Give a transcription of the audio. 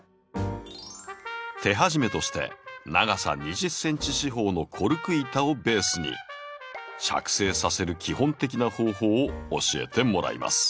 手始めとして長さ２０ｃｍ四方のコルク板をベースに着生させる基本的な方法を教えてもらいます。